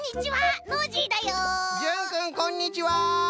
じゅんくんこんにちは！